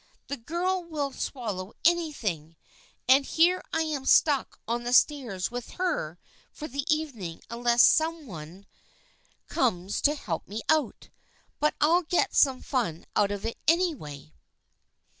"The girl will swallow anything. And here I am stuck on the stairs with her for the evening unless some one 162 THE FRIENDSHIP OF ANNE comes to help me out. But I'll get some fun out of it anyway."